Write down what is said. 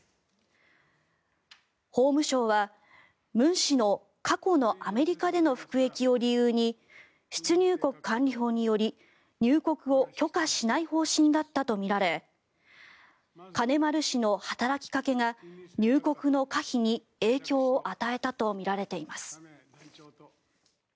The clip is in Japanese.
法務省はムン氏の過去のアメリカでの服役を理由に出入国管理法により入国を許可しない方針だったとみられ金丸氏の働きかけが入国の可否に影響を与えたとみられています。